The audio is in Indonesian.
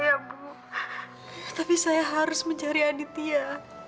ya bu tapi saya harus mencari aditya